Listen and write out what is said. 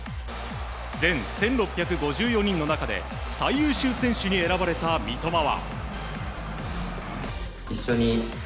全１６５４人の中で最優秀選手に選ばれた三笘は。